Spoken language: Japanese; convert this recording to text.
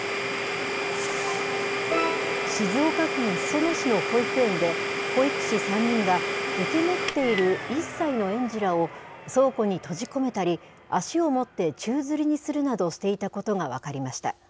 静岡県裾野市の保育園で、保育士３人が受け持っている１歳の園児らを倉庫に閉じ込めたり、足を持って宙づりにするなどしていたことが分かりました。